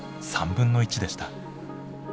３分の１でした。